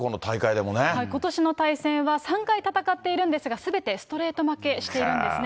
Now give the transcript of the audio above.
ことしの対戦は３回戦っているんですが、すべてストレート負けしているんですね。